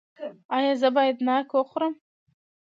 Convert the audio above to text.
ایا زه باید ناک وخورم؟